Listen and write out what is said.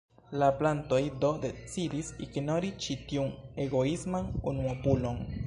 La plantoj do decidis ignori ĉi tiun egoisman unuopulon.